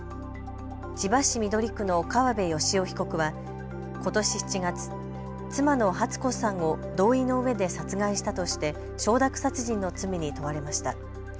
千葉市緑区の河邉誠雄被告はことし７月妻のハツ子さんを同意のうえで殺害したとして承諾殺人の罪に問われました。